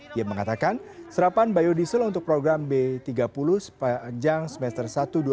dia mengatakan serapan biodiesel untuk program b tiga puluh sepanjang semester satu dua ribu dua puluh